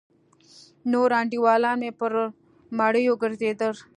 نور انډيولان مې پر مړيو گرځېدل.